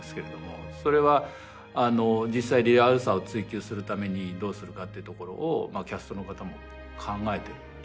それは実際リアルさを追求するためにどうするかってところをキャストの方も考えてて。